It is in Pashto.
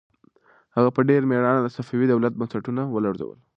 هغه په ډېر مېړانه د صفوي دولت بنسټونه ولړزول.